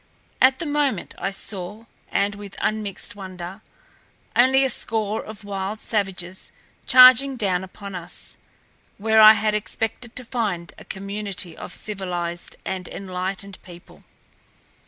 At the moment I saw, and with unmixed wonder, only a score of wild savages charging down upon us, where I had expected to find a community of civilized and enlightened people.